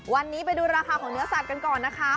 วันนี้ไปดูราคาของเนื้อสัตว์กันก่อนนะคะ